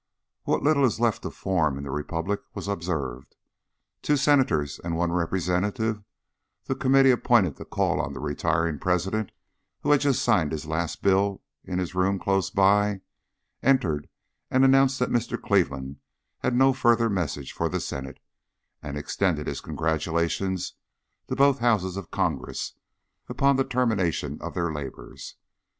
What little is left of form in the Republic was observed. Two Senators and one Representative, the Committee appointed to call on the retiring President, who had just signed his last bill in his room close by, entered and announced that Mr. Cleveland had no further messages for the Senate, and extended his congratulations to both Houses of Congress upon the termination of their labours.